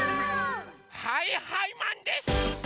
はいはいマンです！